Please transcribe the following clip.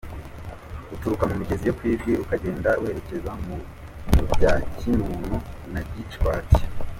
Uturuka mu migezi yo ku Ijwi ukagenda werekeza mu bya Kinunu na Gishwati .